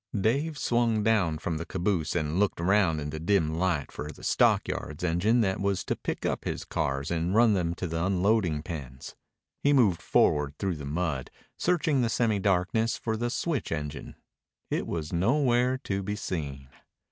Dave swung down from the caboose and looked round in the dim light for the stockyards engine that was to pick up his cars and run them to the unloading pens. He moved forward through the mud, searching the semi darkness for the switch engine. It was nowhere to be seen.